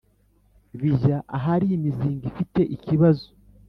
Bijya ahari imizinga ifite ikibazo